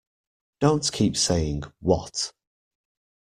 Don't keep saying, 'What?'